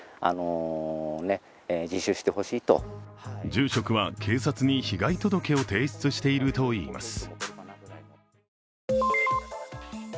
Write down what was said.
住職は警察に被害届を提出しているといいます。